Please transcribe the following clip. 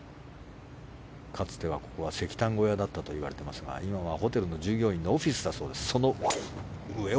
かつては、ここは石炭小屋だったといわれていますが今はホテルの従業員のオフィスだそうです。